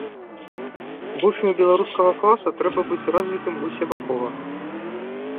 Вучню беларускага класа трэба быць развітым усебакова.